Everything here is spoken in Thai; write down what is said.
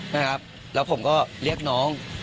นะครับแล้วผมก็เรียกน้อง